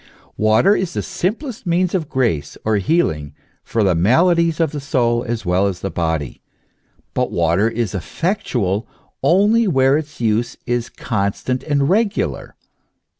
Water is the simplest means of grace or healing for the maladies of the soul as well as of the body. But water is effectual only where its use is constant and regular.